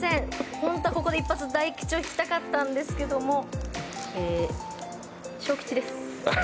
ほんとはここで一発大吉を引きたかったんですけども小吉です。